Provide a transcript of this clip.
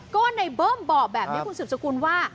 ก็ในเบิ้มบอกแบบนี้คุณสืบสกุลว่า